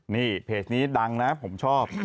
นี่เพจนี้ดังนะผมชอบ